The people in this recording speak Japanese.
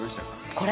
これ。